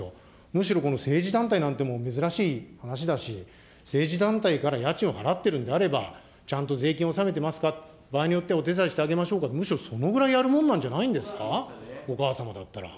むしろこの政治団体なんて珍しい話だし、政治団体から家賃を払っているんであれば、ちゃんと税金を納めてますか、場合によってはお手伝いしてあげましょうかって、むしろそのぐらいやるもんじゃないんですか、お母様だったら。